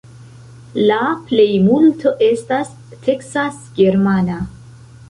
La plejmulto estas teksas-germana.